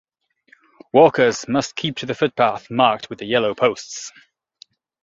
Walkers must keep to the footpath marked with the yellow posts.